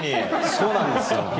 そうなんですよ。